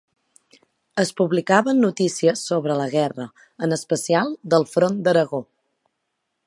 Es publicaven notícies sobre la guerra, en especial del front d'Aragó.